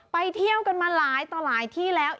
ไปเที่ยวกันมาหลายต่อหลายที่แล้ว